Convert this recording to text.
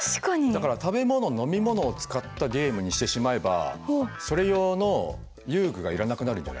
だから食べ物飲み物を使ったゲームにしてしまえばそれ用の遊具がいらなくなるんじゃない？